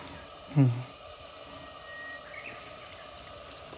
うん。